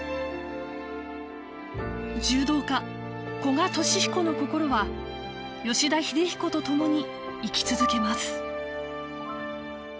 柔道家古賀稔彦の心は吉田秀彦と共に生き続けます